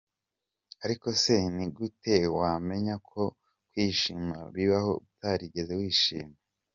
Ariko se ni gute wamenya ko kwishima bibaho utarigeze wishima ?